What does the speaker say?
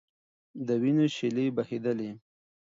د وینو شېلې بهېدلې.